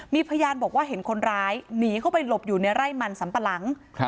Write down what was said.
มีพยานบอกว่าเห็นคนร้ายหนีเข้าไปหลบอยู่ในไร่มันสัมปะหลัง